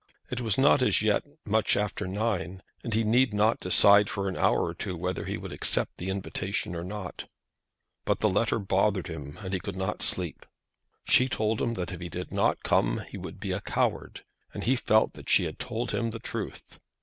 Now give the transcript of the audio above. It was not as yet much after nine, and he need not decide for an hour or two whether he would accept the invitation or not. But the letter bothered him and he could not sleep. She told him that if he did not come he would be a coward, and he felt that she had told him the truth.